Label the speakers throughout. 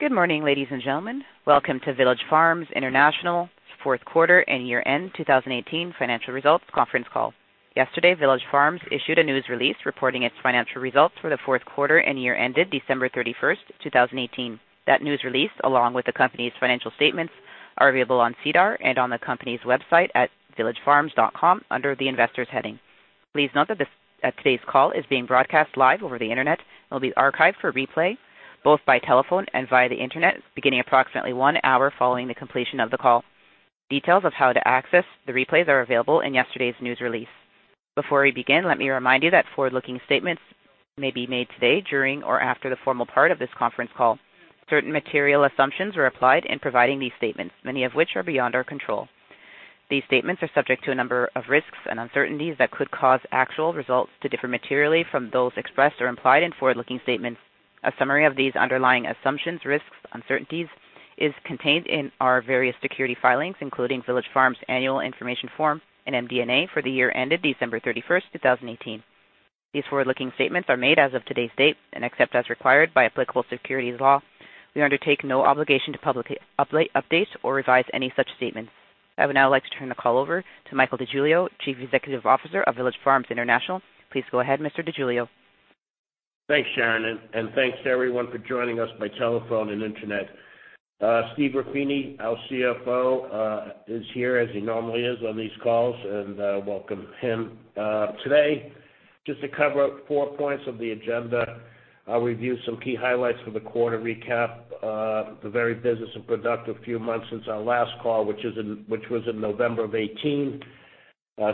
Speaker 1: Good morning, ladies and gentlemen. Welcome to Village Farms International fourth quarter and year-end 2018 financial results conference call. Yesterday, Village Farms issued a news release reporting its financial results for the fourth quarter and year ended December 31st, 2018. That news release, along with the company's financial statements, are available on SEDAR and on the company's website at villagefarms.com under the Investors heading. Please note that today's call is being broadcast live over the Internet and will be archived for replay, both by telephone and via the Internet, beginning approximately one hour following the completion of the call. Details of how to access the replays are available in yesterday's news release. Before we begin, let me remind you that forward-looking statements may be made today during or after the formal part of this conference call. Certain material assumptions were applied in providing these statements, many of which are beyond our control. These statements are subject to a number of risks and uncertainties that could cause actual results to differ materially from those expressed or implied in forward-looking statements. A summary of these underlying assumptions, risks, uncertainties, is contained in our various security filings, including Village Farms Annual Information Form and MD&A for the year ended December 31st, 2018. These forward-looking statements are made as of today's date, except as required by applicable securities law, we undertake no obligation to publicly update or revise any such statements. I would now like to turn the call over to Michael DeGiglio, Chief Executive Officer of Village Farms International. Please go ahead, Mr. DeGiglio.
Speaker 2: Thanks, Sharon, and thanks to everyone for joining us by telephone and Internet. Steve Ruffini, our CFO, is here as he normally is on these calls. Welcome him. Today, just to cover four points of the agenda. I'll review some key highlights for the quarter recap, a very busy and productive few months since our last call, which was in November of 2018.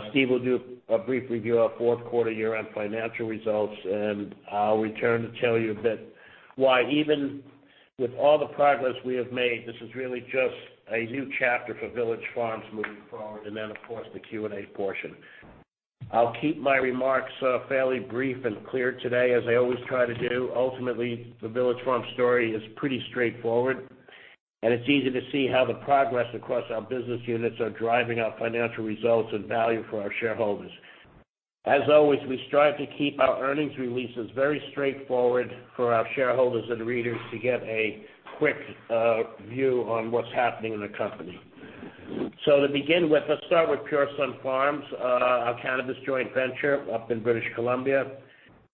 Speaker 2: Steve will do a brief review of our fourth quarter year-end financial results. I'll return to tell you a bit why even with all the progress we have made, this is really just a new chapter for Village Farms moving forward. Of course, the Q&A portion. I'll keep my remarks fairly brief and clear today, as I always try to do. Ultimately, the Village Farms story is pretty straightforward. It's easy to see how the progress across our business units are driving our financial results and value for our shareholders. As always, we strive to keep our earnings releases very straightforward for our shareholders and readers to get a quick view on what's happening in the company. To begin with, let's start with Pure Sunfarms, our cannabis joint venture up in British Columbia.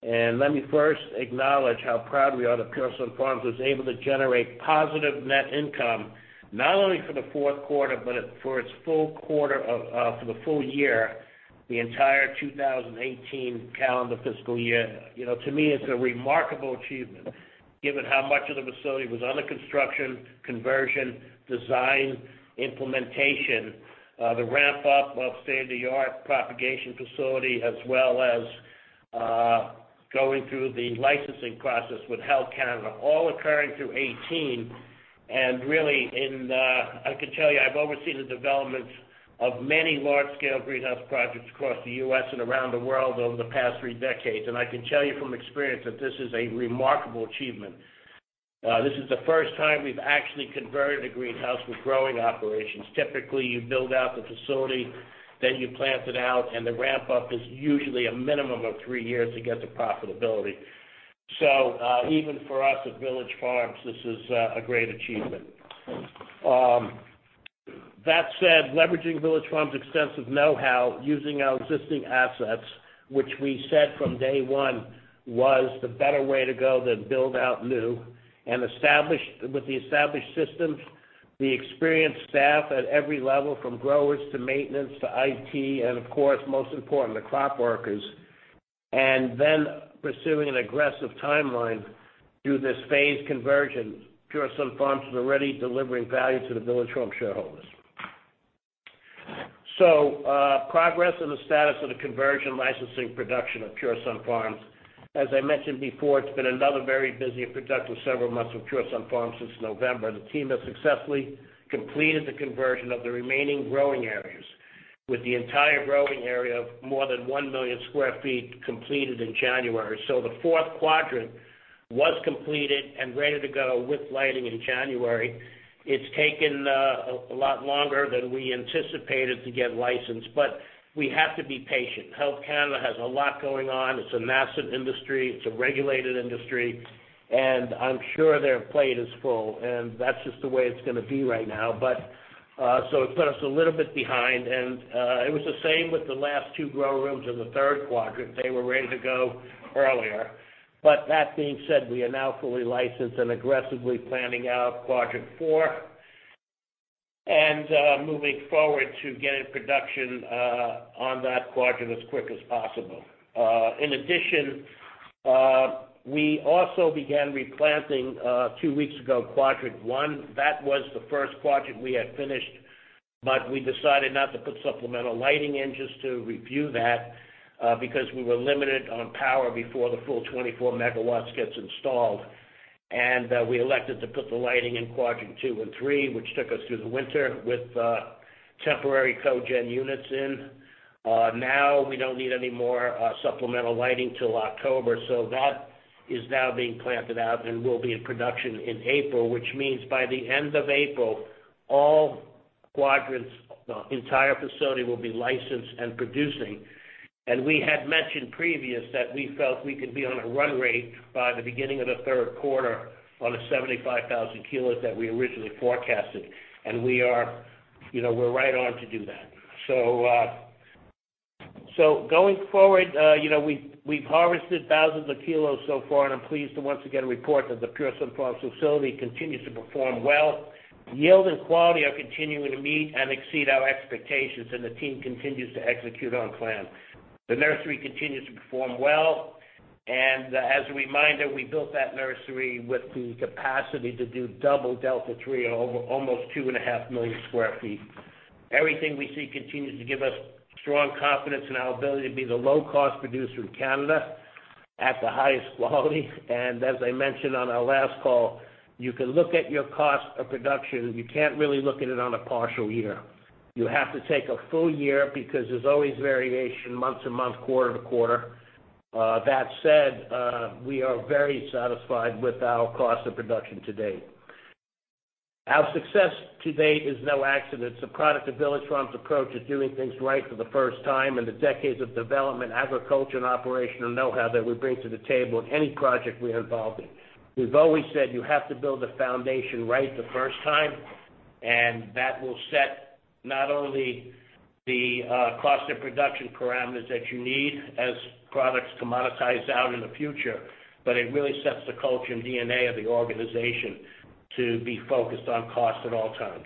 Speaker 2: Let me first acknowledge how proud we are that Pure Sunfarms was able to generate positive net income, not only for the fourth quarter, but for the full year, the entire 2018 calendar fiscal year. To me, it's a remarkable achievement given how much of the facility was under construction, conversion, design, implementation, the ramp-up of state-of-the-art propagation facility, as well as going through the licensing process with Health Canada, all occurring through 2018. I can tell you, I've overseen the developments of many large-scale greenhouse projects across the U.S. and around the world over the past three decades, and I can tell you from experience that this is a remarkable achievement. This is the first time we've actually converted a greenhouse with growing operations. Typically, you build out the facility, then you plant it out, and the ramp-up is usually a minimum of three years to get to profitability. Even for us at Village Farms, this is a great achievement. That said, leveraging Village Farms' extensive know-how, using our existing assets, which we said from day one was the better way to go than build out new, and with the established systems, the experienced staff at every level from growers to maintenance to IT, and of course, most important, the crop workers. Pursuing an aggressive timeline through this phased conversion, Pure Sunfarms is already delivering value to the Village Farms shareholders. Progress and the status of the conversion licensing production of Pure Sunfarms. As I mentioned before, it's been another very busy and productive several months with Pure Sunfarms since November. The team has successfully completed the conversion of the remaining growing areas, with the entire growing area of more than 1 million sq ft completed in January. The fourth quadrant was completed and ready to go with lighting in January. It's taken a lot longer than we anticipated to get licensed, but we have to be patient. Health Canada has a lot going on. It's a massive industry. It's a regulated industry, and I'm sure their plate is full, and that's just the way it's going to be right now. It put us a little bit behind, and it was the same with the last two grow rooms in the third quadrant. They were ready to go earlier. That being said, we are now fully licensed and aggressively planning out quadrant 4 and moving forward to getting production on that quadrant as quick as possible. In addition, we also began replanting, two weeks ago, quadrant 1. That was the first quadrant we had finished, but we decided not to put supplemental lighting in just to review that, because we were limited on power before the full 24 MW gets installed. We elected to put the lighting in quadrant 2 and 3, which took us through the winter with temporary co-gen units in. We don't need any more supplemental lighting till October, so that is now being planted out and will be in production in April, which means by the end of April, all quadrants of the entire facility will be licensed and producing. We had mentioned previous that we felt we could be on a run rate by the beginning of the third quarter on the 75,000 kilos that we originally forecasted. We're right on to do that. Going forward, we've harvested thousands of kilos so far, and I am pleased to once again report that the Pure Sunfarms facility continues to perform well. Yield and quality are continuing to meet and exceed our expectations, and the team continues to execute on plan. The nursery continues to perform well. As a reminder, we built that nursery with the capacity to do double Delta 3, or almost 2.5 million sq ft. Everything we see continues to give us strong confidence in our ability to be the low-cost producer in Canada at the highest quality. As I mentioned on our last call, you can look at your cost of production. You cannot really look at it on a partial year. You have to take a full year because there is always variation month-to-month, quarter-to-quarter. That said, we are very satisfied with our cost of production to date. Our success to date is no accident. It is a product of Village Farms' approach of doing things right for the first time and the decades of development, agriculture, and operational know-how that we bring to the table in any project we are involved in. We have always said you have to build a foundation right the first time, and that will set not only the cost of production parameters that you need as products commoditize out in the future, but it really sets the culture and DNA of the organization to be focused on cost at all times.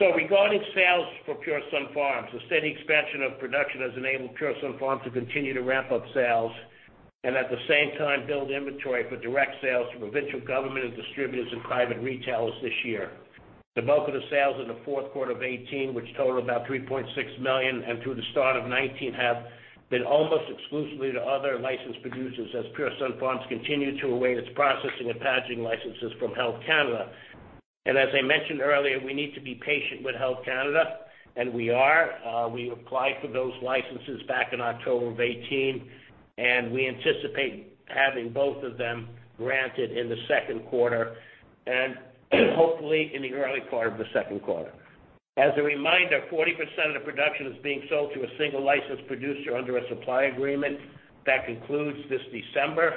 Speaker 2: Regarding sales for Pure Sunfarms, the steady expansion of production has enabled Pure Sunfarms to continue to ramp up sales and at the same time build inventory for direct sales to provincial government and distributors and private retailers this year. The bulk of the sales in the fourth quarter of 2018, which totaled about 3.6 million, and through the start of 2019, have been almost exclusively to other licensed producers as Pure Sunfarms continued to await its processing and packaging licenses from Health Canada. As I mentioned earlier, we need to be patient with Health Canada, and we are. We applied for those licenses back in October of 2018, and we anticipate having both of them granted in the second quarter, and hopefully in the early part of the second quarter. As a reminder, 40% of the production is being sold to a single licensed producer under a supply agreement that concludes this December,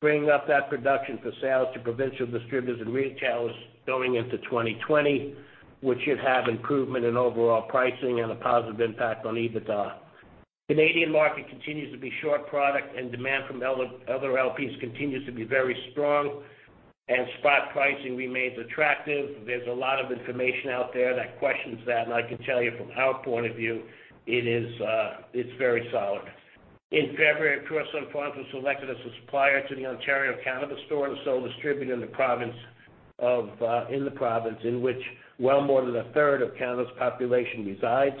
Speaker 2: freeing up that production for sales to provincial distributors and retailers going into 2020, which should have improvement in overall pricing and a positive impact on EBITDA. The Canadian market continues to be short product and demand from other LPs continues to be very strong and spot pricing remains attractive. There is a lot of information out there that questions that, and I can tell you from our point of view, it is very solid. In February, Pure Sunfarms was selected as a supplier to the Ontario Cannabis Store, the sole distributor in the province in which well more than a third of Canada's population resides,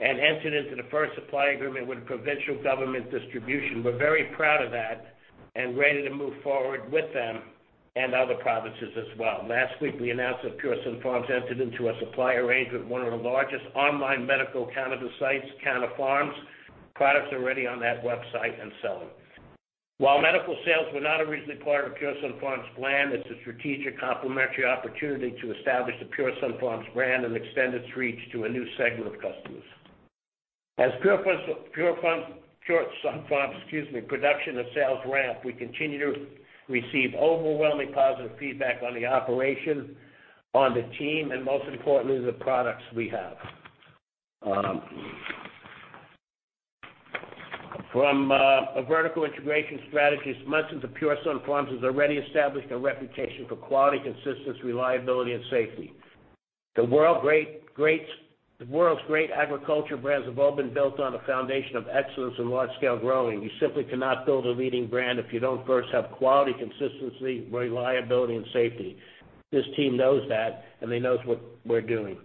Speaker 2: and entered into the first supply agreement with provincial government distribution. We're very proud of that and ready to move forward with them and other provinces as well. Last week, we announced that Pure Sunfarms entered into a supply arrangement with one of the largest online medical cannabis sites, Canna Farms. Products are already on that website and selling. While medical sales were not originally part of Pure Sunfarms' plan, it's a strategic complementary opportunity to establish the Pure Sunfarms brand and extend its reach to a new segment of customers. As Pure Sunfarms' production and sales ramp, we continue to receive overwhelmingly positive feedback on the operation, on the team, and most importantly, the products we have. From a vertical integration strategy perspective, Pure Sunfarms has already established a reputation for quality, consistency, reliability, and safety. The world's great agriculture brands have all been built on a foundation of excellence and large-scale growing. You simply cannot build a leading brand if you don't first have quality, consistency, reliability, and safety. This team knows that, and they know what we're doing.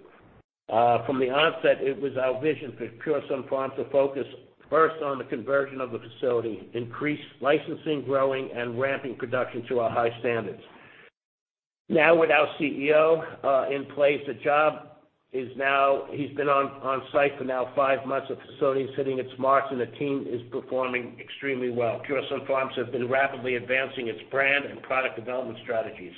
Speaker 2: From the onset, it was our vision for Pure Sunfarms to focus first on the conversion of the facility, increase licensing, growing, and ramping production to our high standards. Now, with our CEO in place, he's been on site for now five months. The facility is hitting its marks, and the team is performing extremely well. Pure Sunfarms has been rapidly advancing its brand and product development strategies.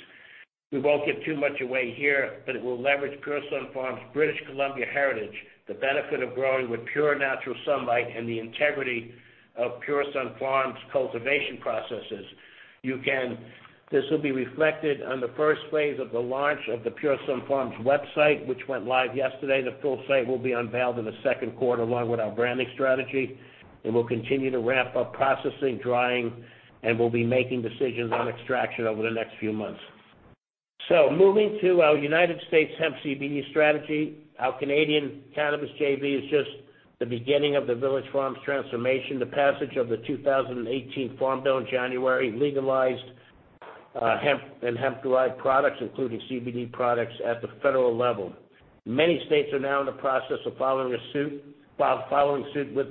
Speaker 2: We won't give too much away here, but it will leverage Pure Sunfarms' British Columbia heritage, the benefit of growing with pure natural sunlight, and the integrity of Pure Sunfarms' cultivation processes. This will be reflected on the first phase of the launch of the Pure Sunfarms website, which went live yesterday. The full site will be unveiled in the second quarter, along with our branding strategy. We'll continue to ramp up processing, drying, and we'll be making decisions on extraction over the next few months. Moving to our U.S. hemp CBD strategy, our Canadian cannabis JV is just the beginning of the Village Farms transformation. The passage of the 2018 Farm Bill in January legalized hemp and hemp-derived products, including CBD products, at the federal level. Many states are now in the process of following suit, with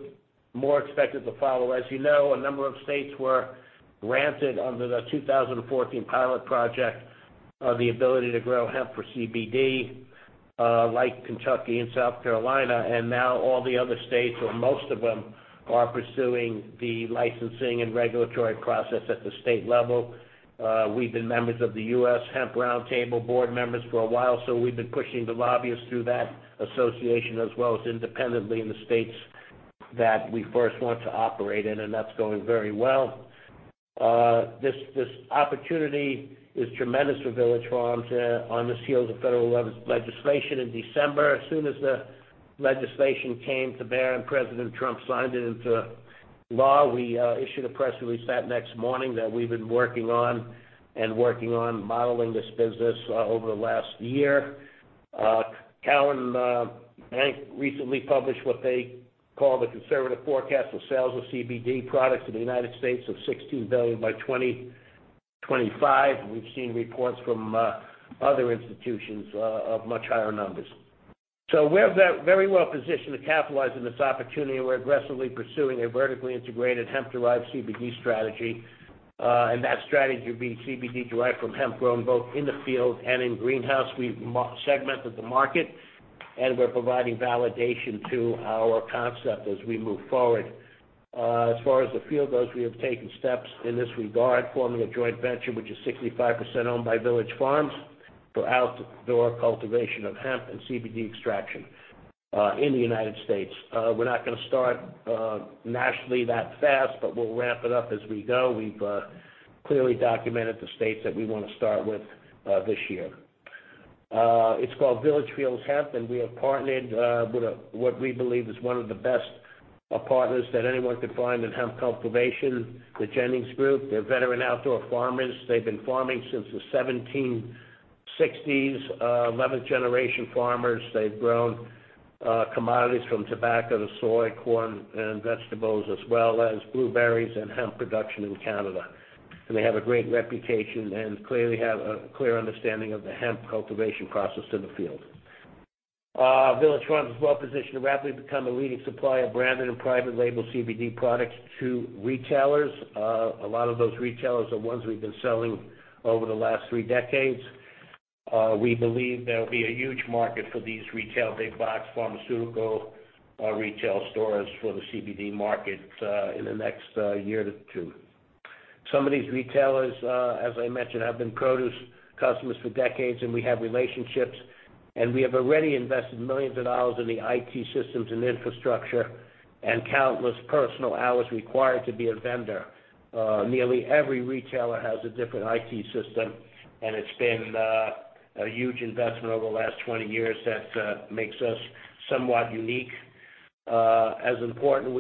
Speaker 2: more expected to follow. As you know, a number of states were granted under the 2014 pilot project, the ability to grow hemp for CBD, like Kentucky and South Carolina. Now all the other states, or most of them, are pursuing the licensing and regulatory process at the state level. We've been members of the U.S. Hemp Roundtable, board members for a while, so we've been pushing the lobbyists through that association as well as independently in the states that we first want to operate in, and that's going very well. This opportunity is tremendous for Village Farms. On the heels of federal legislation in December, as soon as the legislation came to bear and President Trump signed it into law, we issued a press release that next morning that we've been working on and working on modeling this business over the last year. Cowen recently published what they call the conservative forecast for sales of CBD products in the U.S. of 16 billion by 2025. We've seen reports from other institutions of much higher numbers. We're very well-positioned to capitalize on this opportunity, and we're aggressively pursuing a vertically integrated hemp-derived CBD strategy. That strategy would be CBD derived from hemp grown both in the field and in greenhouse. We've segmented the market, and we're providing validation to our concept as we move forward. As far as the field goes, we have taken steps in this regard, forming a joint venture, which is 65% owned by Village Farms, for outdoor cultivation of hemp and CBD extraction in the U.S. We're not going to start nationally that fast, but we'll ramp it up as we go. We've clearly documented the states that we want to start with this year. It's called Village Fields Hemp, and we have partnered with what we believe is one of the best partners that anyone could find in hemp cultivation, the Jennings Group. They're veteran outdoor farmers. They've been farming since the 1760s. 11th-generation farmers. They've grown commodities from tobacco to soy, corn, and vegetables, as well as blueberries and hemp production in Canada. They have a great reputation and clearly have a clear understanding of the hemp cultivation process in the field. Village Farms is well positioned to rapidly become a leading supplier of branded and private label CBD products to retailers. A lot of those retailers are ones we've been selling over the last three decades. We believe there will be a huge market for these retail big box pharmaceutical retail stores for the CBD market in the next year to two. Some of these retailers, as I mentioned, have been produce customers for decades, and we have relationships, and we have already invested millions of dollars in the IT systems and infrastructure and countless personal hours required to be a vendor. Nearly every retailer has a different IT system, and it's been a huge investment over the last 20 years that makes us somewhat unique. As important,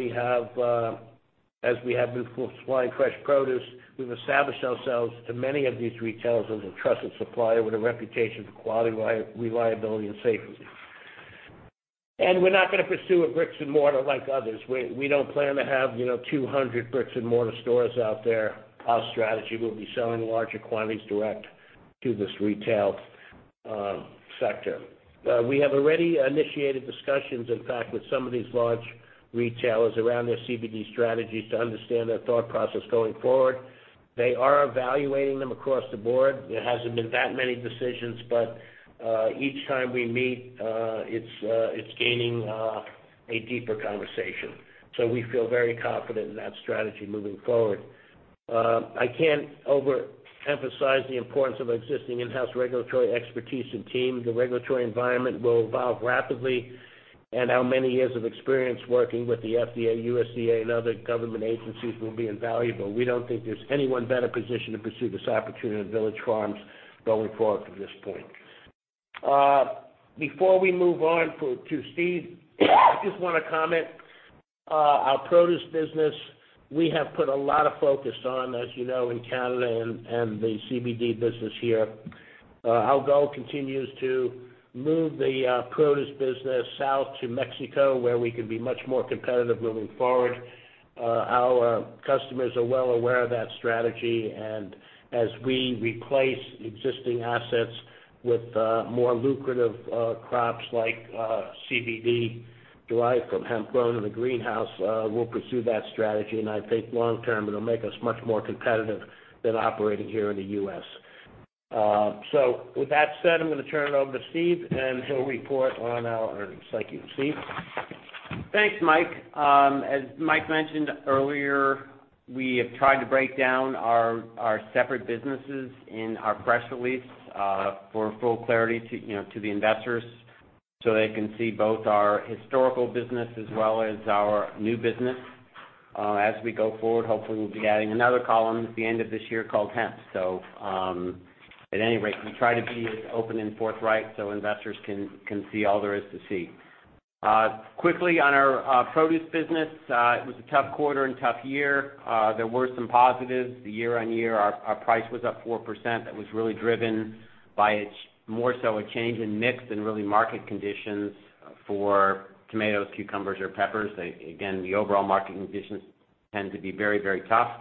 Speaker 2: as we have been supplying fresh produce, we've established ourselves to many of these retailers as a trusted supplier with a reputation for quality, reliability, and safety. We're not going to pursue a bricks and mortar like others. We don't plan to have 200 bricks and mortar stores out there. Our strategy will be selling larger quantities direct to this retail sector. We have already initiated discussions, in fact, with some of these large retailers around their CBD strategies to understand their thought process going forward. They are evaluating them across the board. There hasn't been that many decisions, but each time we meet, it's gaining a deeper conversation. We feel very confident in that strategy moving forward. I can't overemphasize the importance of existing in-house regulatory expertise and team. The regulatory environment will evolve rapidly, and our many years of experience working with the FDA, USDA, and other government agencies will be invaluable. We don't think there's anyone better positioned to pursue this opportunity than Village Farms going forward from this point. Before we move on to Steve, I just want to comment. Our produce business, we have put a lot of focus on, as you know, in Canada and the CBD business here. Our goal continues to move the produce business south to Mexico, where we can be much more competitive moving forward. Our customers are well aware of that strategy, and as we replace existing assets with more lucrative crops like CBD derived from hemp grown in the greenhouse, we'll pursue that strategy. I think long term, it'll make us much more competitive than operating here in the U.S. With that said, I'm going to turn it over to Steve, and he'll report on our earnings. Thank you. Steve?
Speaker 3: Thanks, Mike. As Mike mentioned earlier, we have tried to break down our separate businesses in our press release for full clarity to the investors so they can see both our historical business as well as our new business. As we go forward, hopefully, we'll be adding another column at the end of this year called hemp. At any rate, we try to be as open and forthright so investors can see all there is to see. Quickly on our produce business, it was a tough quarter and tough year. There were some positives. The year-over-year, our price was up 4%. That was really driven by more so a change in mix than really market conditions for tomatoes, cucumbers, or peppers. The overall market conditions tend to be very, very tough.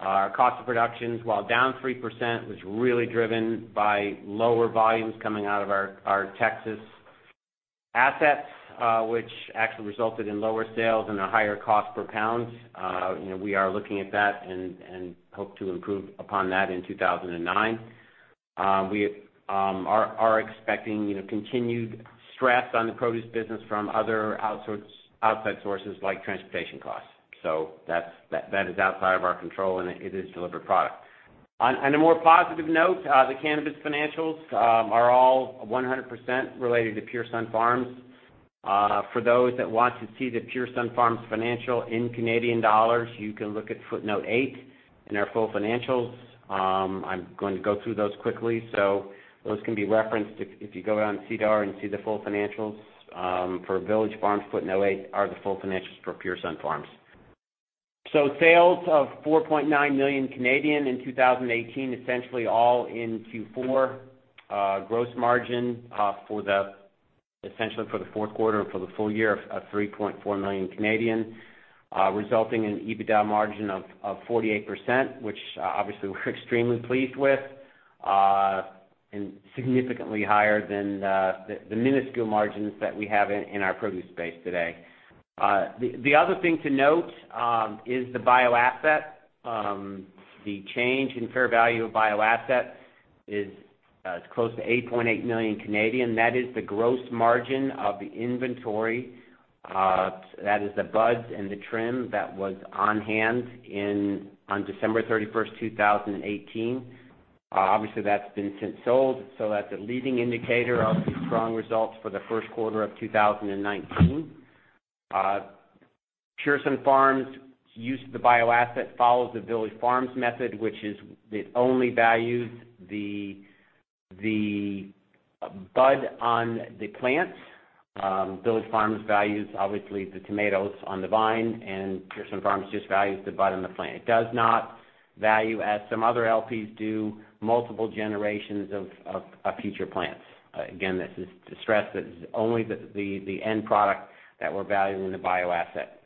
Speaker 3: Our cost of production, while down 3%, was really driven by lower volumes coming out of our Texas assets, which actually resulted in lower sales and a higher cost per pound. We are looking at that and hope to improve upon that in 2019. We are expecting continued stress on the produce business from other outside sources like transportation costs. That is outside of our control, and it is delivered product. On a more positive note, the cannabis financials are all 100% related to Pure Sunfarms. For those that want to see the Pure Sunfarms financial in CAD, you can look at footnote eight in our full financials. I'm going to go through those quickly. Those can be referenced if you go on SEDAR and see the full financials. For Village Farms, footnote eight are the full financials for Pure Sunfarms. Sales of 4.9 million in 2018, essentially all in Q4. Gross margin, essentially for the fourth quarter and for the full year of 3.4 million, resulting in EBITDA margin of 48%, which obviously we're extremely pleased with, and significantly higher than the minuscule margins that we have in our produce space today. The other thing to note is the bio-asset. The change in fair value of bio-asset is close to 8.8 million. That is the gross margin of the inventory. That is the buds and the trim that was on hand on December 31st, 2018. Obviously, that's been since sold, so that's a leading indicator of the strong results for the first quarter of 2019. Pure Sunfarms' use of the bio-asset follows the Village Farms method. It only values the bud on the plants. Village Farms values, obviously, the tomatoes on the vine, and Pure Sunfarms just values the bud on the plant. It does not value, as some other LPs do, multiple generations of future plants. Again, this is to stress that it is only the end product that we're valuing the bio-asset.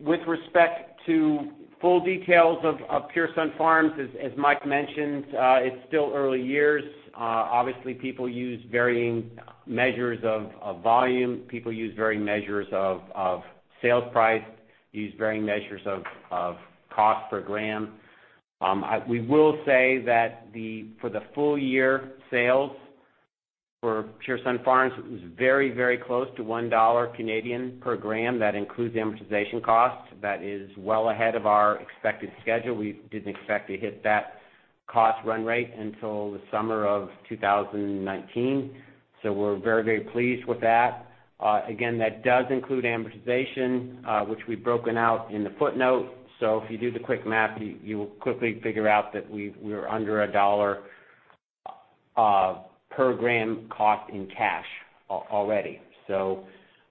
Speaker 3: With respect to full details of Pure Sunfarms, as Mike mentioned, it's still early years. Obviously, people use varying measures of volume. People use varying measures of sales price, use varying measures of cost per gram. We will say that for the full-year sales for Pure Sunfarms, it was very close to 1 Canadian dollar per gram. That includes the amortization cost. That is well ahead of our expected schedule. We didn't expect to hit that cost run rate until the summer of 2019, so we're very pleased with that. Again, that does include amortization, which we've broken out in the footnote. If you do the quick math, you will quickly figure out that we are under a CAD 1 per gram cost in cash already.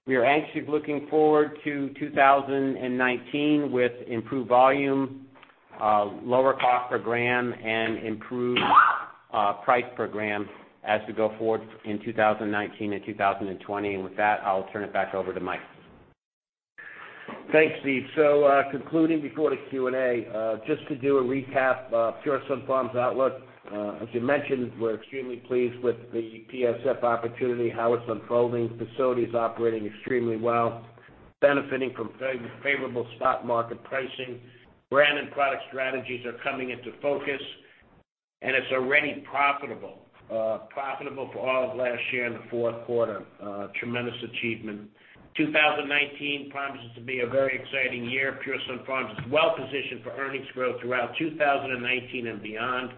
Speaker 3: We are anxiously looking forward to 2019 with improved volume, lower cost per gram, and improved price per gram as we go forward in 2019 and 2020. With that, I'll turn it back over to Mike.
Speaker 2: Thanks, Steve. Concluding before the Q&A, just to do a recap of Pure Sunfarms' outlook. As you mentioned, we're extremely pleased with the PSF opportunity, how it's unfolding. Facility's operating extremely well, benefiting from very favorable stock market pricing. Brand and product strategies are coming into focus, and it's already profitable for all of last year in the fourth quarter. A tremendous achievement. 2019 promises to be a very exciting year. Pure Sunfarms is well-positioned for earnings growth throughout 2019 and beyond.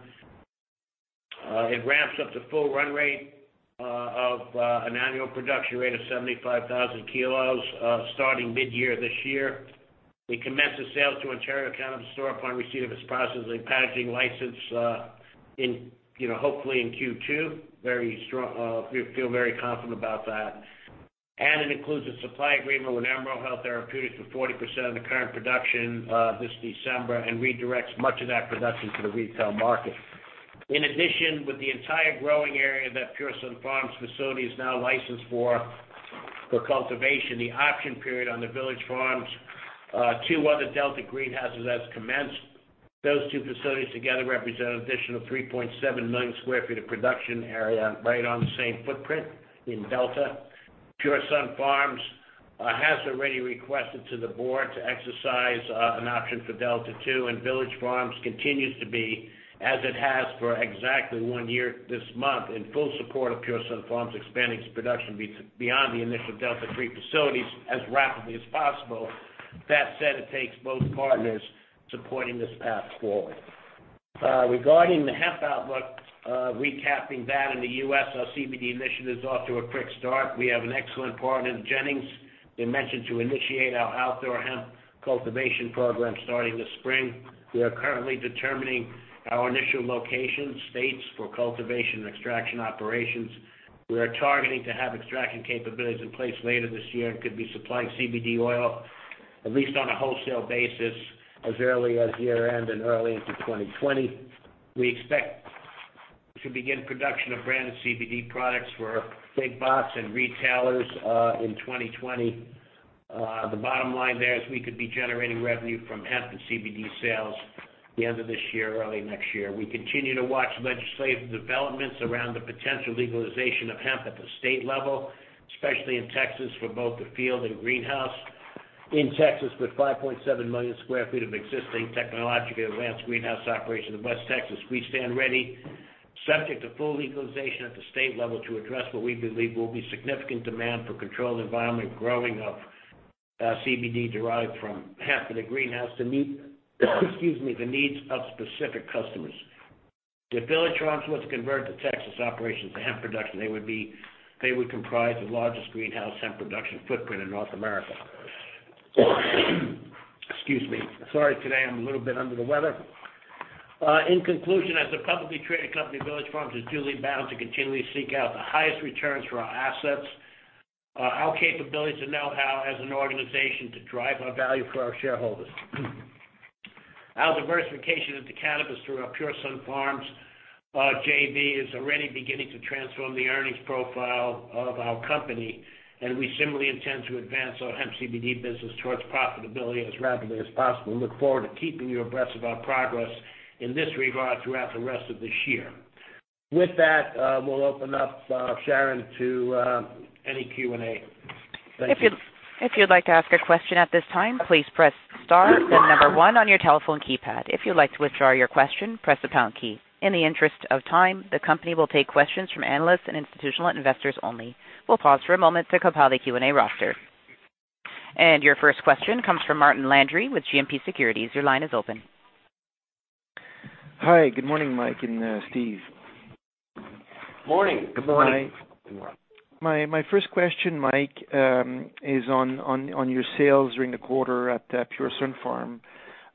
Speaker 2: It ramps up to full run rate of an annual production rate of 75,000 kilos, starting mid-year this year. We commence the sale to Ontario Cannabis Store upon receipt of its processing and packaging license, hopefully in Q2. We feel very confident about that. It includes a supply agreement with Emerald Health Therapeutics for 40% of the current production this December and redirects much of that production to the retail market. In addition, with the entire growing area that Pure Sunfarms facility is now licensed for cultivation, the option period on the Village Farms' two other Delta greenhouses has commenced. Those two facilities together represent an additional 3.7 million sq ft of production area right on the same footprint in Delta. Pure Sunfarms has already requested to the board to exercise an option for Delta 2, Village Farms continues to be, as it has for exactly one year this month, in full support of Pure Sunfarms expanding its production beyond the initial Delta 3 facilities as rapidly as possible. That said, it takes both partners supporting this path forward. Regarding the hemp outlook, recapping that in the U.S., our CBD initiative is off to a quick start. We have an excellent partner in Jennings. We mentioned to initiate our outdoor hemp cultivation program starting this spring. We are currently determining our initial location, states for cultivation and extraction operations. We are targeting to have extraction capabilities in place later this year and could be supplying CBD oil, at least on a wholesale basis, as early as year-end and early into 2020. We expect to begin production of branded CBD products for big box and retailers in 2020. The bottom line there is we could be generating revenue from hemp and CBD sales the end of this year, early next year. We continue to watch legislative developments around the potential legalization of hemp at the state level, especially in Texas for both the field and greenhouse. In Texas, with 5.7 million sq ft of existing technologically advanced greenhouse operation in West Texas, we stand ready, subject to full legalization at the state level, to address what we believe will be significant demand for controlled environment growing of CBD derived from hemp in a greenhouse to meet the needs of specific customers. If Village Farms was to convert the Texas operations to hemp production, they would comprise the largest greenhouse hemp production footprint in North America. Excuse me. Sorry. Today, I'm a little bit under the weather. In conclusion, as a publicly traded company, Village Farms is duly bound to continually seek out the highest returns for our assets, our capabilities and know-how as an organization to drive our value for our shareholders. Our diversification into cannabis through our Pure Sunfarms JV, is already beginning to transform the earnings profile of our company. We similarly intend to advance our hemp CBD business towards profitability as rapidly as possible and look forward to keeping you abreast of our progress in this regard throughout the rest of this year. With that, we'll open up, Sharon, to any Q&A. Thank you.
Speaker 1: If you'd like to ask a question at this time, please press star then one on your telephone keypad. If you'd like to withdraw your question, press the pound key. In the interest of time, the company will take questions from analysts and institutional investors only. We'll pause for a moment to compile the Q&A roster. Your first question comes from Martin Landry with GMP Securities. Your line is open.
Speaker 4: Hi, good morning, Mike and Steve.
Speaker 2: Morning.
Speaker 3: Good morning.
Speaker 4: My first question, Mike, is on your sales during the quarter at Pure Sunfarms.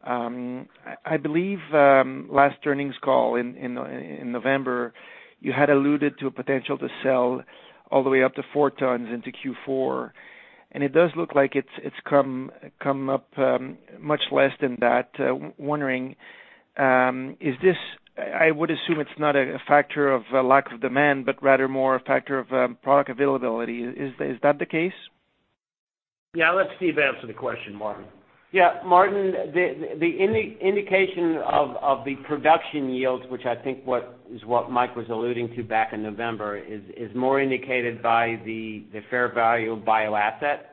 Speaker 4: I believe, last earnings call in November, you had alluded to a potential to sell all the way up to four tons into Q4, it does look like it's come up much less than that. I would assume it's not a factor of a lack of demand, but rather more a factor of product availability. Is that the case?
Speaker 2: Yeah. I'll let Steve answer the question, Martin.
Speaker 3: Martin, the indication of the production yields, which I think is what Mike was alluding to back in November, is more indicated by the fair value of bio-asset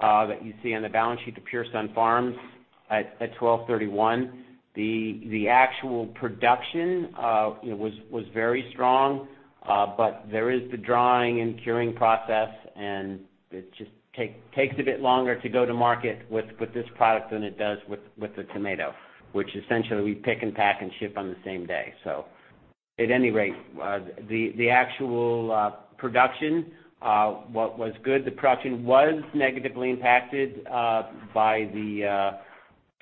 Speaker 3: that you see on the balance sheet of Pure Sunfarms at 12/31. The actual production was very strong, but there is the drying and curing process, and it just takes a bit longer to go to market with this product than it does with the tomato, which essentially we pick and pack and ship on the same day. At any rate, the actual production, what was good, the production was negatively impacted by the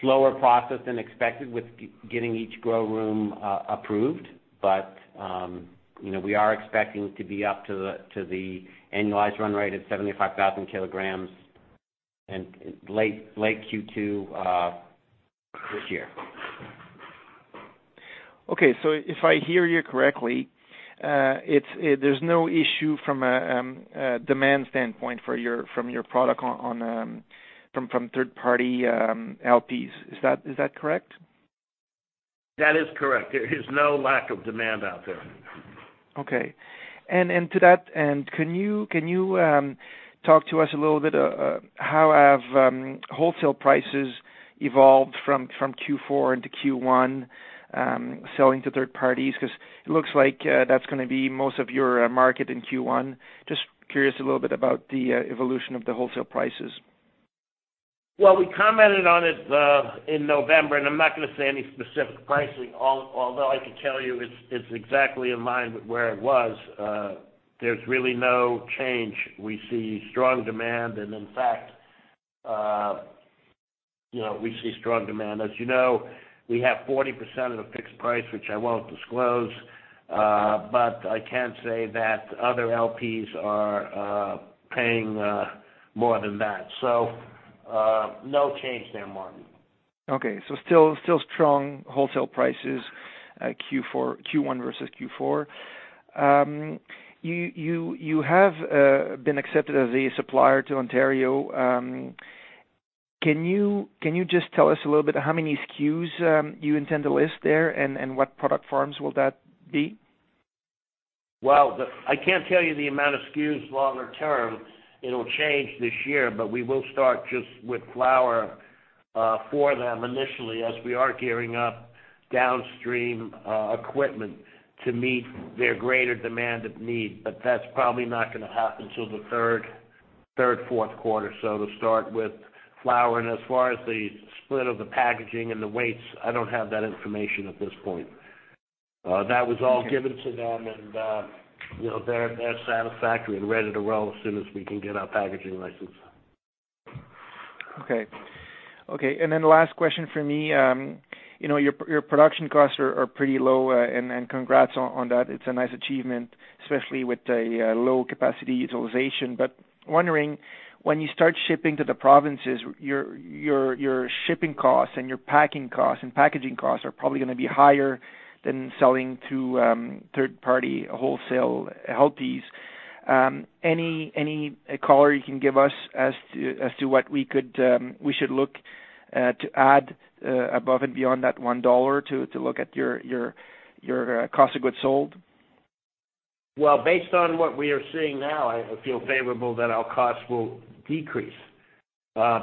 Speaker 3: slower process than expected with getting each grow room approved. We are expecting to be up to the annualized run rate of 75,000 kilograms in late Q2 this year.
Speaker 4: If I hear you correctly, there's no issue from a demand standpoint from your product from third party LPs. Is that correct?
Speaker 3: That is correct. There is no lack of demand out there.
Speaker 4: To that end, can you talk to us a little bit, how have wholesale prices evolved from Q4 into Q1, selling to third parties? It looks like that's going to be most of your market in Q1. Just curious a little bit about the evolution of the wholesale prices.
Speaker 2: Well, we commented on it in November. I'm not going to say any specific pricing, although I can tell you it is exactly in line with where it was. There is really no change. We see strong demand. As you know, we have 40% of the fixed price, which I won't disclose, but I can say that other LPs are paying more than that. No change there, Martin.
Speaker 4: Okay. Still strong wholesale prices at Q1 versus Q4. You have been accepted as a supplier to Ontario. Can you just tell us a little bit how many SKUs you intend to list there and what product forms will that be?
Speaker 2: Well, I can't tell you the amount of SKUs longer term. It'll change this year, but we will start just with flower for them initially as we are gearing up downstream equipment to meet their greater demand of need. That's probably not going to happen till the third, fourth quarter. We will start with flower, and as far as the split of the packaging and the weights, I don't have that information at this point. That was all given to them, and they're satisfactory and ready to roll as soon as we can get our packaging license.
Speaker 4: Okay. Last question from me. Your production costs are pretty low and congrats on that. It's a nice achievement, especially with a low capacity utilization. Wondering, when you start shipping to the Provinces, your shipping costs and your packing costs and packaging costs are probably going to be higher than selling to third party wholesale LPs. Any color you can give us as to what we should look to add above and beyond that 1 dollar to look at your cost of goods sold?
Speaker 2: Based on what we are seeing now, I feel favorable that our costs will decrease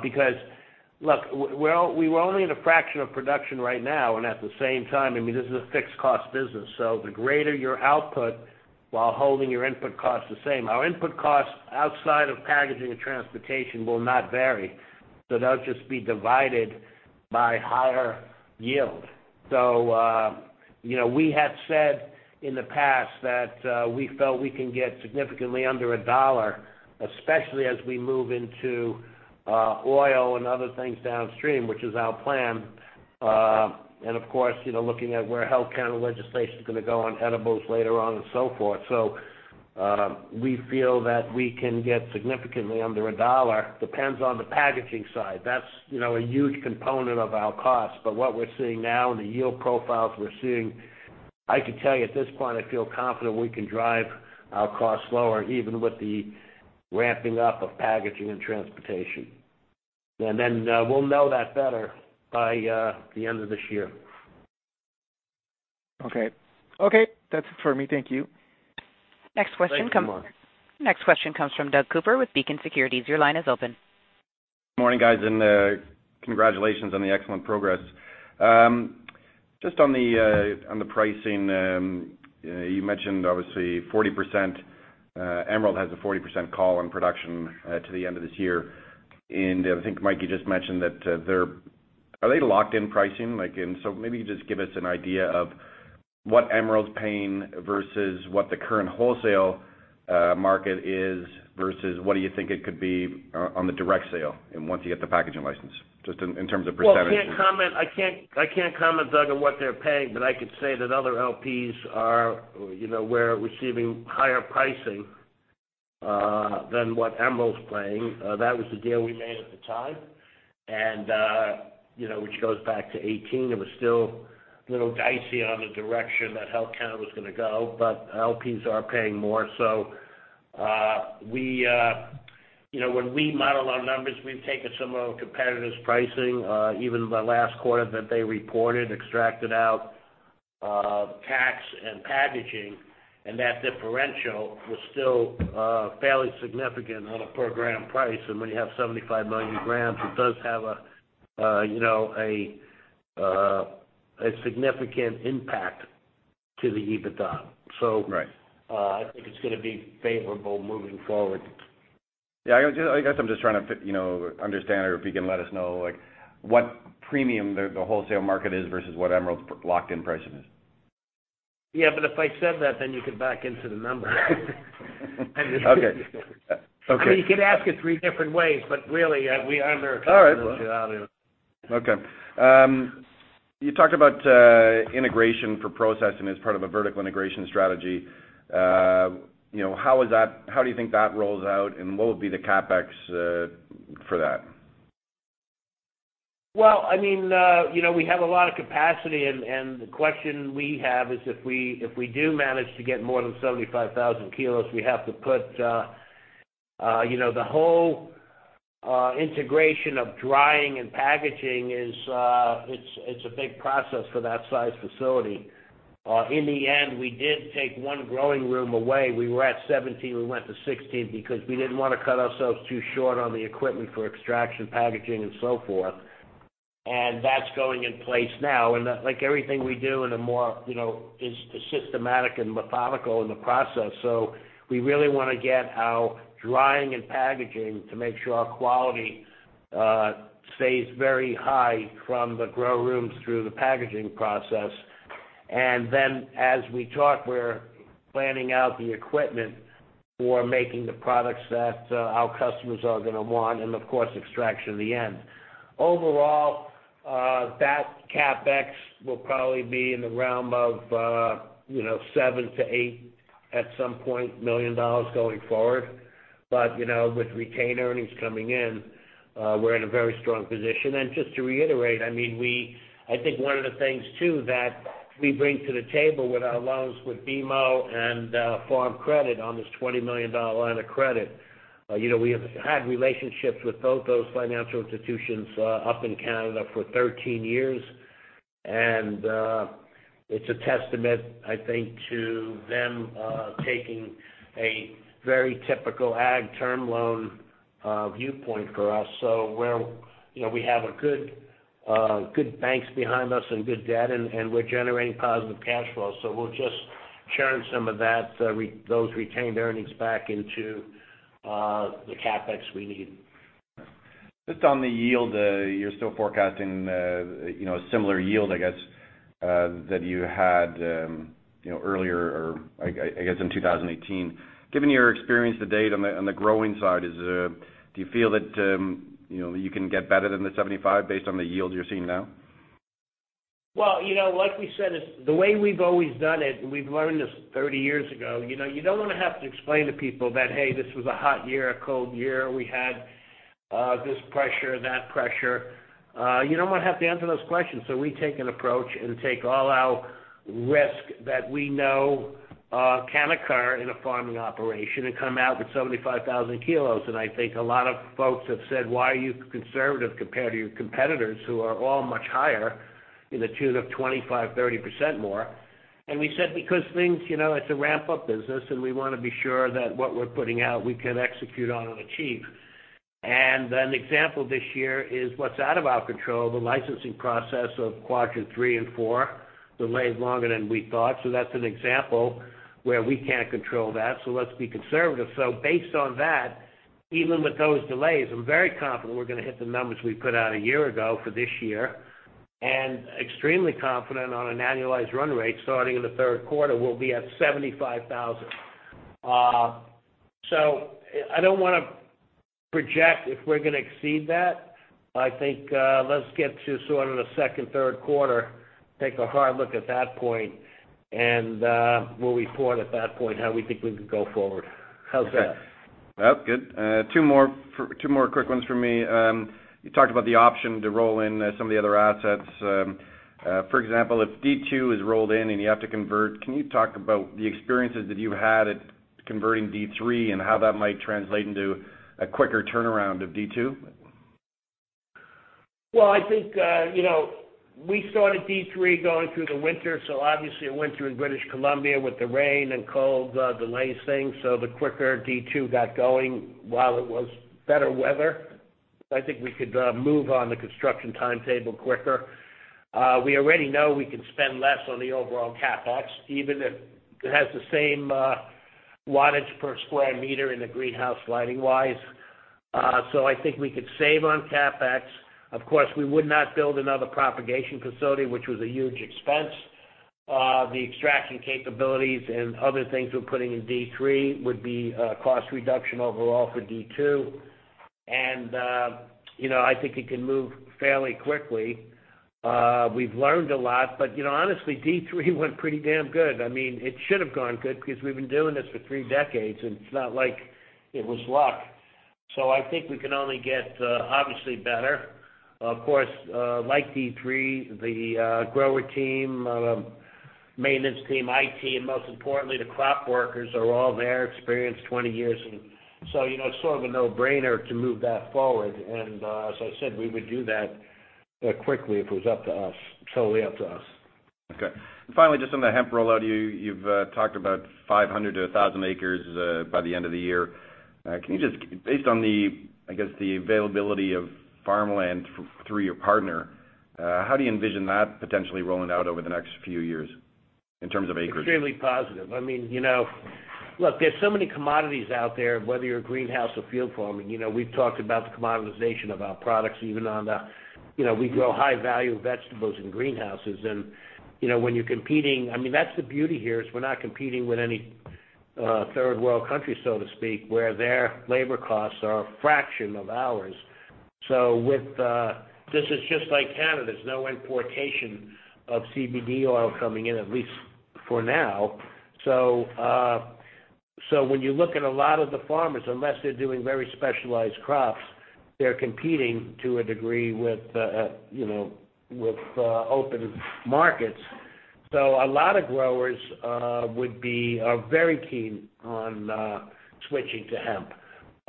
Speaker 2: because. Look, we're only in a fraction of production right now, and at the same time, this is a fixed-cost business. The greater your output while holding your input costs the same. Our input costs outside of packaging and transportation will not vary. They'll just be divided by higher yield. We have said in the past that we felt we can get significantly under $1, especially as we move into oil and other things downstream, which is our plan. Of course, looking at where Health Canada legislation is going to go on edibles later on and so forth. We feel that we can get significantly under $1. Depends on the packaging side. That's a huge component of our cost. What we're seeing now and the yield profiles we're seeing, I can tell you at this point, I feel confident we can drive our cost lower even with the ramping up of packaging and transportation. We'll know that better by the end of this year.
Speaker 4: Okay. That's it for me. Thank you.
Speaker 2: Thank you, Martin.
Speaker 1: Next question comes from Doug Cooper with Beacon Securities. Your line is open.
Speaker 5: Morning, guys. Congratulations on the excellent progress. Just on the pricing, you mentioned, obviously, Emerald has a 40% call on production to the end of this year. I think, Mike, you just mentioned that. Are they locked in pricing? Maybe you just give us an idea of what Emerald's paying versus what the current wholesale market is, versus what do you think it could be on the direct sale and once you get the packaging license, just in terms of percentages.
Speaker 2: Well, I can't comment, Doug, on what they're paying, but I could say that other LPs we're receiving higher pricing than what Emerald's paying. That was the deal we made at the time, which goes back to 2018. It was still a little dicey on the direction that Health Canada was going to go. LPs are paying more. When we model our numbers, we've taken some of our competitors' pricing, even the last quarter that they reported, extracted out tax and packaging. That differential was still fairly significant on a per gram price. When you have 75 million grams, it does have a significant impact to the EBITDA.
Speaker 5: Right.
Speaker 2: I think it's going to be favorable moving forward.
Speaker 5: Yeah, I guess I'm just trying to understand or if you can let us know, what premium the wholesale market is versus what Emerald's locked in pricing is.
Speaker 2: Yeah, if I said that, then you could back into the number.
Speaker 5: Okay.
Speaker 2: You could ask it three different ways, really, we under a confidentiality-
Speaker 5: All right. Well, okay. You talked about integration for processing as part of a vertical integration strategy. How do you think that rolls out, and what will be the CapEx for that?
Speaker 2: We have a lot of capacity, the question we have is if we do manage to get more than 75,000 kilos, we have to put the whole integration of drying and packaging is a big process for that size facility. In the end, we did take one growing room away. We were at 17, we went to 16 because we didn't want to cut ourselves too short on the equipment for extraction, packaging and so forth. That's going in place now. Like everything we do, is systematic and methodical in the process. We really want to get our drying and packaging to make sure our quality stays very high from the grow rooms through the packaging process. As we talk, we're planning out the equipment for making the products that our customers are going to want, of course, extraction at the end. Overall, that CapEx will probably be in the realm of $7 million-$8 million going forward. With retained earnings coming in, we're in a very strong position. Just to reiterate, I think one of the things too that we bring to the table with our loans with BMO and Farm Credit on this $20 million line of credit, we have had relationships with both those financial institutions up in Canada for 13 years. It's a testament, I think, to them taking a very typical ag term loan viewpoint for us. We have good banks behind us and good debt, we're generating positive cash flow. We'll just churn some of that, those retained earnings back into the CapEx we need.
Speaker 5: Just on the yield, you're still forecasting similar yield, I guess, that you had earlier, or I guess in 2018. Given your experience to date on the growing side, do you feel that you can get better than the 75 based on the yield you're seeing now?
Speaker 2: Well, like we said, the way we've always done it, and we've learned this 30 years ago, you don't want to have to explain to people that, hey, this was a hot year, a cold year. We had this pressure, that pressure. You don't want to have to answer those questions. We take an approach and take all our risk that we know can occur in a farming operation and come out with 75,000 kilos, and I think a lot of folks have said, "Why are you conservative compared to your competitors who are all much higher?" In the tune of 25%-30% more. We said because it's a ramp-up business, and we want to be sure that what we're putting out, we can execute on and achieve. An example this year is what's out of our control, the licensing process of quadrant 3 and 4 delayed longer than we thought. That's an example where we can't control that, so let's be conservative. Based on that, even with those delays, I'm very confident we're going to hit the numbers we put out a year ago for this year, and extremely confident on an annualized run rate starting in the third quarter, we'll be at 75,000. I don't want to project if we're going to exceed that. I think let's get to sort of the second, third quarter, take a hard look at that point and we'll report at that point how we think we can go forward. How's that?
Speaker 5: Okay. That's good. Two more quick ones from me. You talked about the option to roll in some of the other assets. For example, if D2 is rolled in and you have to convert, can you talk about the experiences that you've had at converting D3 and how that might translate into a quicker turnaround of D2?
Speaker 2: Well, I think, we started D3 going through the winter. Obviously a winter in British Columbia with the rain and cold delays things. The quicker D2 got going while it was better weather, I think we could move on the construction timetable quicker. We already know we can spend less on the overall CapEx, even if it has the same wattage per sq m in the greenhouse, lighting-wise. I think we could save on CapEx. Of course, we would not build another propagation facility, which was a huge expense. The extraction capabilities and other things we're putting in D3 would be a cost reduction overall for D2. I think it can move fairly quickly. We've learned a lot, but honestly, D3 went pretty damn good. It should have gone good because we've been doing this for three decades, and it's not like it was luck. I think we can only get, obviously, better. Of course, like D3, the grower team, maintenance team, IT, and most importantly, the crop workers are all there, experienced 20 years. It's sort of a no-brainer to move that forward. As I said, we would do that quickly if it was up to us, totally up to us.
Speaker 5: Okay. Finally, just on the hemp rollout, you've talked about 500 to 1,000 acres by the end of the year. Based on the availability of farmland through your partner, how do you envision that potentially rolling out over the next few years in terms of acreage?
Speaker 2: Extremely positive. Look, there's so many commodities out there, whether you're a greenhouse or field farming. We've talked about the commoditization of our products. We grow high-value vegetables in greenhouses and when you're competing, that's the beauty here is we're not competing with any third-world country, so to speak, where their labor costs are a fraction of ours. This is just like Canada. There's no importation of CBD oil coming in, at least for now. When you look at a lot of the farmers, unless they're doing very specialized crops, they're competing to a degree with open markets. A lot of growers are very keen on switching to hemp.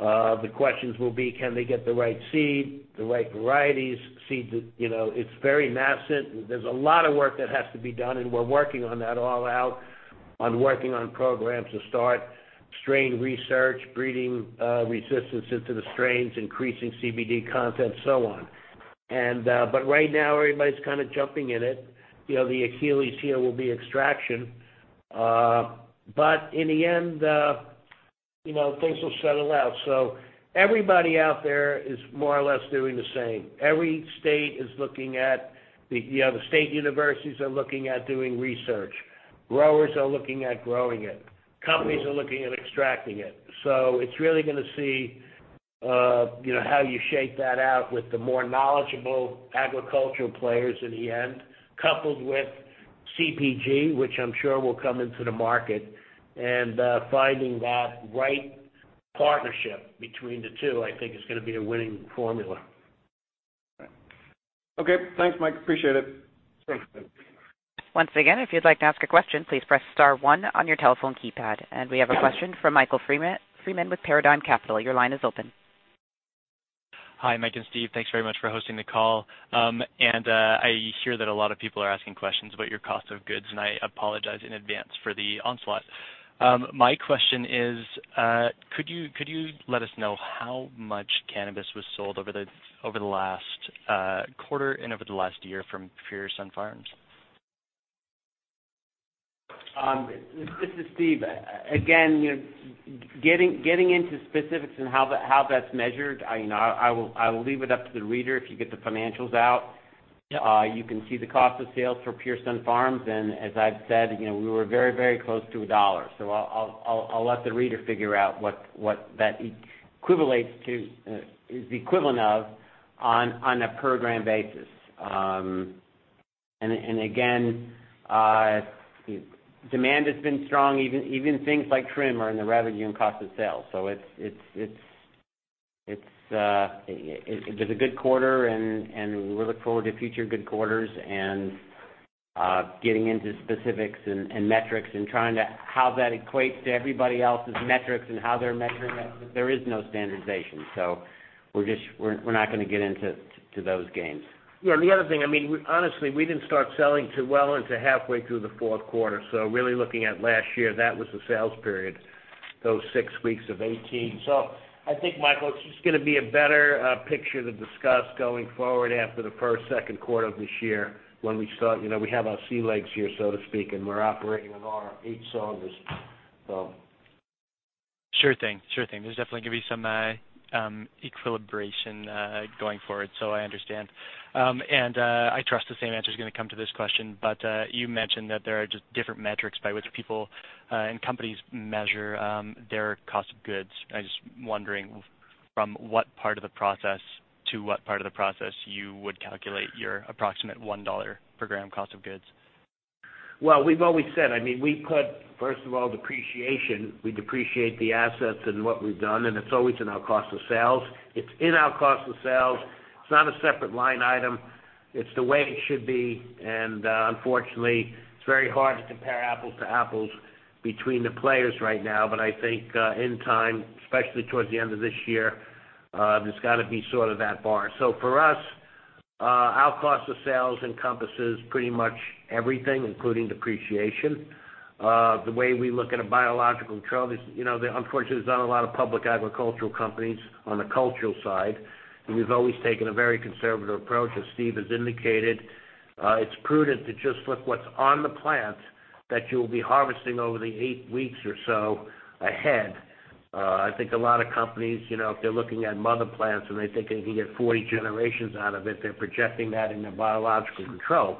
Speaker 2: The questions will be, can they get the right seed, the right varieties. It's very nascent and there's a lot of work that has to be done, and we're working on that all out, on working on programs to start strain research, breeding resistances to the strains, increasing CBD content, so on. Right now, everybody's kind of jumping in it. The Achilles heel will be extraction. In the end, things will settle out. Everybody out there is more or less doing the same. The state universities are looking at doing research. Growers are looking at growing it. Companies are looking at extracting it. It's really going to see how you shake that out with the more knowledgeable agricultural players in the end, coupled with CPG, which I'm sure will come into the market. finding that right partnership between the two, I think, is going to be a winning formula.
Speaker 5: Right. Okay, thanks, Mike. Appreciate it.
Speaker 2: Thanks.
Speaker 1: Once again, if you'd like to ask a question, please press star one on your telephone keypad. We have a question from Michael Freeman with Paradigm Capital. Your line is open.
Speaker 6: Hi, Mike and Steve. Thanks very much for hosting the call. I hear that a lot of people are asking questions about your cost of goods, and I apologize in advance for the onslaught. My question is, could you let us know how much cannabis was sold over the last quarter and over the last year from Pure Sunfarms?
Speaker 3: This is Steve. Getting into specifics and how that's measured, I will leave it up to the reader if you get the financials out. You can see the cost of sales for Pure Sunfarms. As I've said, we were very close to $1. I'll let the reader figure out what that is the equivalent of on a per gram basis. Demand has been strong. Even things like trim are in the revenue and cost of sales. It was a good quarter and we look forward to future good quarters. Getting into specifics and metrics and trying to how that equates to everybody else's metrics and how they're measuring it. There is no standardization, we're just, we're not gonna get into those games.
Speaker 2: Yeah. The other thing, I mean, honestly, we didn't start selling till well into halfway through the fourth quarter. Really looking at last year, that was the sales period, those six weeks of 2018. I think, Michael, it's just gonna be a better picture to discuss going forward after the first, second quarter of this year when we start. You know, we have our sea legs here, so to speak, and we're operating on all our eight cylinders.
Speaker 6: Sure thing. Sure thing. There's definitely going to be some equilibration going forward, so I understand. I trust the same answer's going to come to this question, but you mentioned that there are just different metrics by which people and companies measure their cost of goods. I'm just wondering from what part of the process to what part of the process you would calculate your approximate 1 dollar per gram cost of goods.
Speaker 2: Well, we've always said, we put, first of all, depreciation. We depreciate the assets and what we've done, and it's always in our cost of sales. It's in our cost of sales. It's not a separate line item. It's the way it should be. Unfortunately, it's very hard to compare apples to apples between the players right now. I think in time, especially towards the end of this year, there's gotta be sort of that bar. For us, our cost of sales encompasses pretty much everything, including depreciation. The way we look at a biological asset is, you know, there unfortunately is not a lot of public agricultural companies on the cultural side, and we've always taken a very conservative approach, as Steve has indicated. It's prudent to just look what's on the plant that you'll be harvesting over the eight weeks or so ahead. I think a lot of companies, you know, if they're looking at mother plants and they think they can get 40 generations out of it, they're projecting that in their biological control.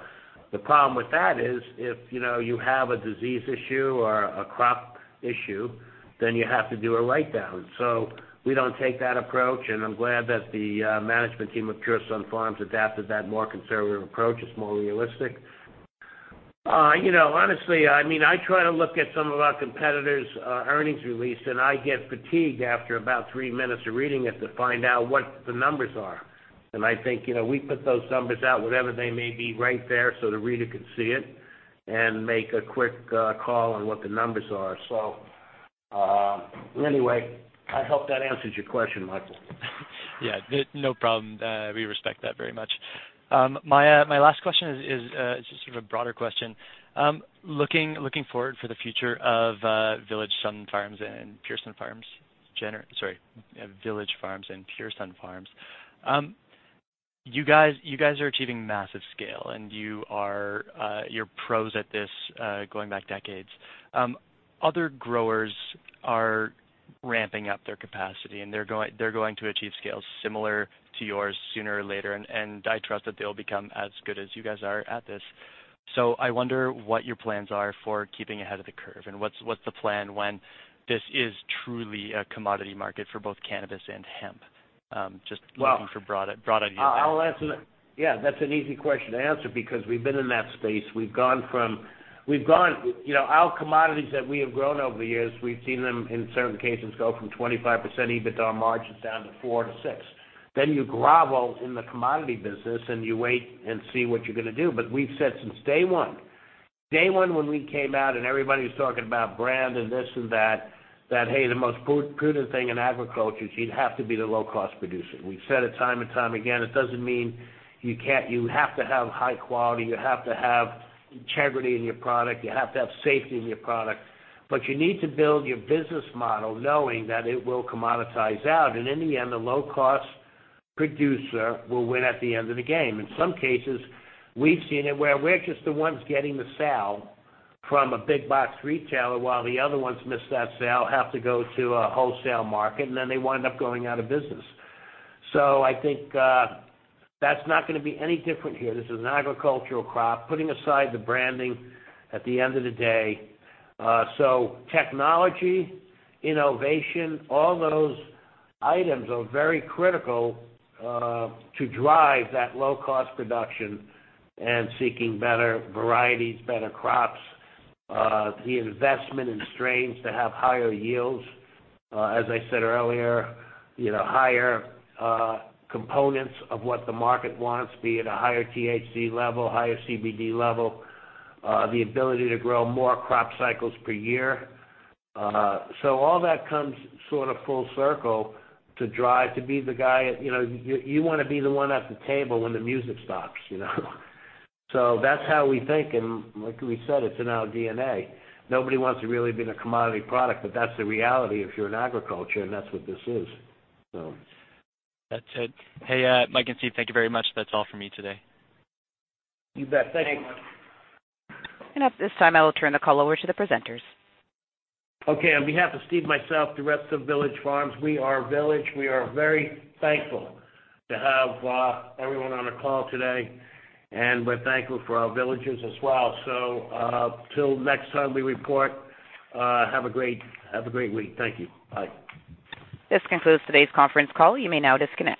Speaker 2: The problem with that is, if, you know, you have a disease issue or a crop issue, then you have to do a write-down. We don't take that approach, and I'm glad that the management team of Pure Sunfarms adapted that more conservative approach. It's more realistic. You know, honestly, I mean, I try to look at some of our competitors' earnings release, and I get fatigued after about three minutes of reading it to find out what the numbers are. I think, you know, we put those numbers out, whatever they may be, right there so the reader can see it and make a quick call on what the numbers are. Anyway, I hope that answers your question, Michael.
Speaker 6: Yeah. No, no problem. We respect that very much. My last question is, it's just sort of a broader question. Looking forward for the future of Village Farms and Pure Sunfarms, sorry, Village Farms and Pure Sunfarms, you guys are achieving massive scale, and you are pros at this, going back decades. Other growers are ramping up their capacity, and they're going to achieve scales similar to yours sooner or later, and I trust that they'll become as good as you guys are at this. I wonder what your plans are for keeping ahead of the curve, and what's the plan when this is truly a commodity market for both cannabis and hemp? Just
Speaker 2: Well-
Speaker 6: looking for broad ideas.
Speaker 2: I'll answer that. Yeah, that's an easy question to answer because we've been in that space. We've gone, you know, our commodities that we have grown over the years, we've seen them in certain cases go from 25% EBITDA margins down to 4% to 6%. You grovel in the commodity business, and you wait and see what you're gonna do. We've said since day one, when we came out and everybody was talking about brand and this and that, hey, the most prudent thing in agriculture is you'd have to be the low-cost producer. We've said it time and time again. It doesn't mean you can't. You have to have high quality. You have to have integrity in your product. You have to have safety in your product. You need to build your business model knowing that it will commoditize out, and in the end, the low-cost producer will win at the end of the game. In some cases, we've seen it where we're just the ones getting the sale from a big box retailer while the other ones miss that sale, have to go to a wholesale market, and then they wind up going out of business. I think that's not gonna be any different here. This is an agricultural crop, putting aside the branding at the end of the day. Technology, innovation, all those items are very critical to drive that low-cost production and seeking better varieties, better crops, the investment in strains that have higher yields. As I said earlier, you know, higher components of what the market wants, be it a higher THC level, higher CBD level, the ability to grow more crop cycles per year. All that comes sort of full circle to drive, to be the guy, you know, you wanna be the one at the table when the music stops, you know? That's how we think, and like we said, it's in our DNA. Nobody wants to really be in a commodity product, that's the reality if you're in agriculture, and that's what this is.
Speaker 6: That's it. Hey, Mike and Steve, thank you very much. That's all for me today.
Speaker 2: You bet. Thank you.
Speaker 6: Thanks.
Speaker 1: At this time, I will turn the call over to the presenters.
Speaker 2: Okay. On behalf of Steve and myself, the rest of Village Farms, We Are Village, we are very thankful to have everyone on the call today, and we're thankful for our Villagers as well. Till next time we report, have a great week. Thank you. Bye.
Speaker 1: This concludes today's conference call. You may now disconnect.